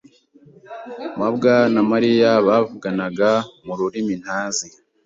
mabwa na Mariya bavuganaga mururimi ntazi.